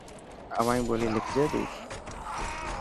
اوهائي ٻولي لکجي تي.